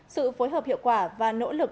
sự phối hợp hiệu quả và nỗ lực